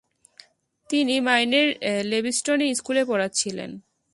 তিনি মাইনের লেভিস্টনে স্কুলে পড়াচ্ছিলেন।